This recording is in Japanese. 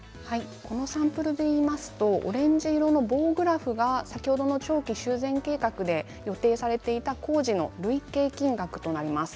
このサンプルでいうとオレンジ色の棒グラフが先ほどの長期修繕計画で予定されていた工事の累計金額となります。